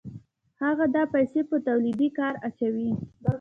هغه دا پیسې په تولیدي کار اچوي